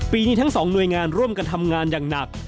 ปีนี้ทั้งสองหน่วยงานร่วมกันทำงานอย่างหนัก